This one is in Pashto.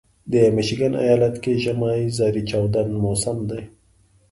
د میشیګن ایالت کې ژمی زارې چاودون موسم دی.